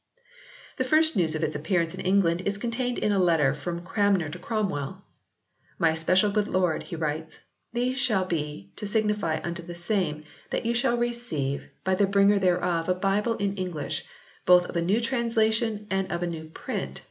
The first news of its appearance in England is contained in a letter from Cranmer to Cromwell. "My especial good lord," he writes, "these shall be to signify unto the same that you shall receive by the bringer thereof a bible in English, both of a new translation and of a new print...